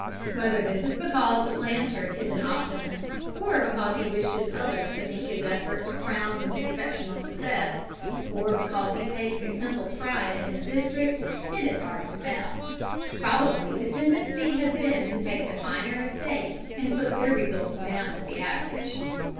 Whether this is because the planter is an optimist or because he wishes others to think his efforts are crowned with exceptional success, or because he takes a simple pride in his district, is hard to tell. Probably the tendency has been to take the finer estates and put their results down as the average.